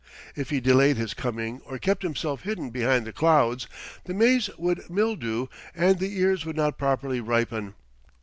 If he delayed his coming or kept himself hidden behind the clouds, the maize would mildew and the ears would not properly ripen.